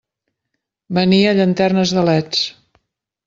Venia llanternes de leds.